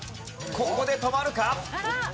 ここで止まるか？